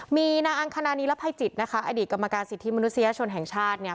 มีนางอังคณานีรภัยจิตนะคะอดีตกรรมการสิทธิมนุษยชนแห่งชาติเนี่ย